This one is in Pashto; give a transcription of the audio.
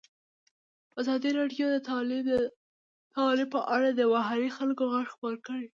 ازادي راډیو د تعلیم په اړه د محلي خلکو غږ خپور کړی.